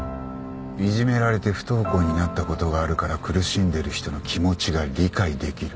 「いじめられて不登校になったことがあるから苦しんでる人の気持ちが理解できる」